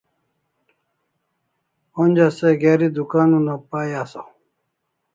Onja se geri dukan una pai asaw